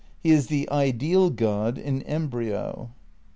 He is the ideal God in embryo."